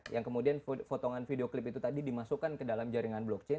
yang kemudian potongan video klip itu tadi dimasukkan ke dalam jaringan blockchain